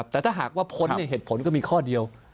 แต่ถ้าหากว่าพ้นเหตุผลก็มีข้อเดียว